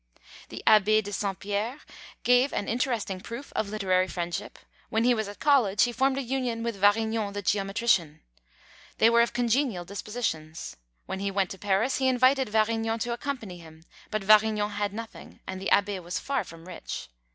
The Abbé de Saint Pierre gave an interesting proof of literary friendship. When he was at college he formed a union with Varignon, the geometrician. They were of congenial dispositions. When he went to Paris he invited Varignon to accompany him; but Varignon had nothing, and the Abbé was far from rich.